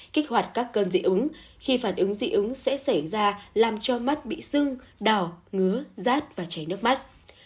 kích hoạt các cơn dị ứng khi phản ứng dị ứng sẽ xảy ra làm cho mắt bị sưng đào ngứa rát và chảy nước mắt